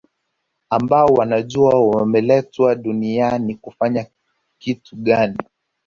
ambao wanajua wameletwa duniani kufanya kitu gani